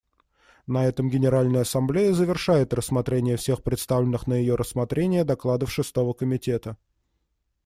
На этом Генеральная Ассамблея завершает рассмотрение всех представленных на ее рассмотрение докладов Шестого комитета.